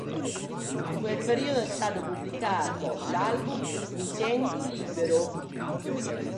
In quel periodo è stato pubblicato l'album "Mi sento libero".